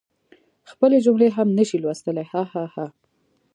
خپلي جملی هم نشي لوستلی هههه